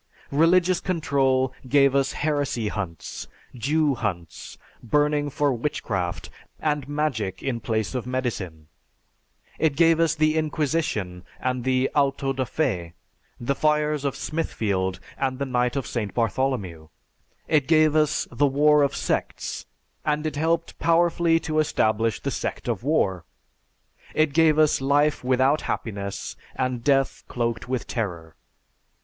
Religious control gave us heresy hunts, Jew hunts, burning for witchcraft, and magic in place of medicine. It gave us the Inquisition and the auto da fe, the fires of Smithfield, and the night of St. Bartholomew. It gave us the war of sects, and it helped powerfully to establish the sect of war. It gave us life without happiness, and death cloaked with terror.